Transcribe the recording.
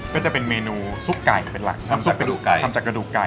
ก็จะเป็นเมนูซุปไก่เป็นหลักทำจากภี่กระดูกไก่